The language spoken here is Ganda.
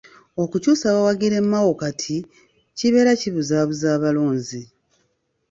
Okukyusa bawagire Mao kati, kibeera kibuzaabuza abalonzi .